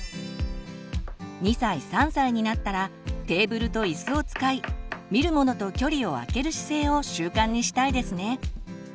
２歳３歳になったらテーブルと椅子を使い見るものと距離をあける姿勢を習慣にしたいですね。